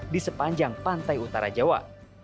di sepanjang pantai utara jawa